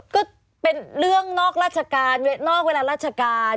ก็เป็นเรื่องนอกราชการนอกเวลาราชการ